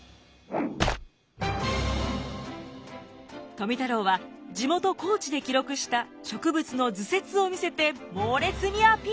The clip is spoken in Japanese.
富太郎は地元高知で記録した植物の図説を見せて猛烈にアピール。